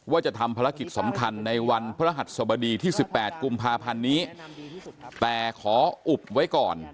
ว่าจะทำภารกิจสำคัญในวันพระรหัสสบดีที่๑๘กุมภาพันธ์นี้แต่ขออุบไว้ก่อน